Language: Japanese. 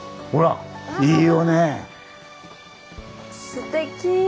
すてき！